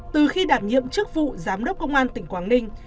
từ khi đảm nhiệm chức vụ giám đốc công an tỉnh quảng ninh